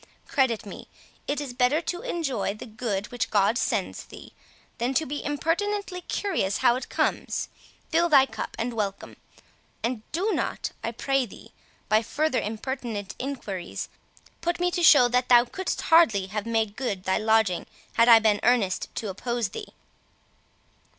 Credit me, it is better to enjoy the good which God sends thee, than to be impertinently curious how it comes. Fill thy cup, and welcome; and do not, I pray thee, by further impertinent enquiries, put me to show that thou couldst hardly have made good thy lodging had I been earnest to oppose thee."